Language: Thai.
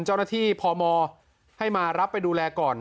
เจ้าหน้าที่พมให้มารับไปดูแลก่อน